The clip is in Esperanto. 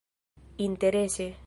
interese